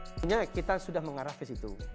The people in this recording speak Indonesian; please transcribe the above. sebenarnya kita sudah mengarah ke situ